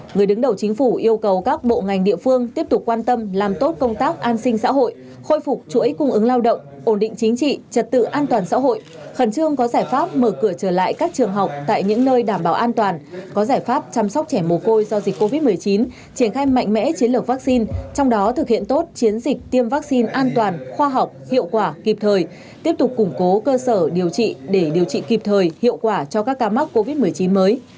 người đứng đầu chính phủ yêu cầu các bộ ngành địa phương tiếp tục quan tâm làm tốt công tác an sinh xã hội khôi phục chuỗi cung ứng lao động ổn định chính trị trật tự an toàn xã hội khẩn trương có giải pháp mở cửa trở lại các trường học tại những nơi đảm bảo an toàn có giải pháp chăm sóc trẻ mồ côi do dịch covid một mươi chín triển khai mạnh mẽ chiến lược vaccine trong đó thực hiện tốt chiến dịch tiêm vaccine an toàn khoa học hiệu quả kịp thời tiếp tục củng cố cơ sở điều trị để điều trị kịp thời hiệu quả cho các ca mắc covid một mươi chín mới